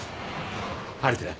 晴れてる。